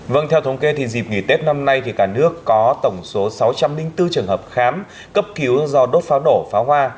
vâng theo thống kê thì dịp nghỉ tết năm nay thì cả nước có tổng số sáu trăm linh bốn trường hợp khám cấp cứu do đốt pháo nổ pháo hoa